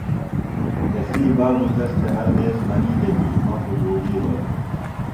تسی بابوۡ تس تھےۡ ہر دیس منی دےۡ کی مہ خُوۡ بُوڈِیلوۡ ہِنوۡ۔